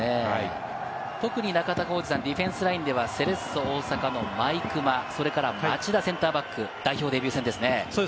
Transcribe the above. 特に中田さん、ディフェンスラインではセレッソ大阪の毎熊、町田センターバック、代表デビュー戦ですね。